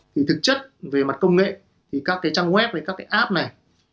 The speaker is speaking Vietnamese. thực chất về mặt công nghệ các trang web các app này